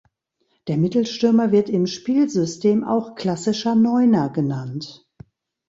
Der Mittelstürmer wird im Spielsystem auch "klassischer Neuner" genannt.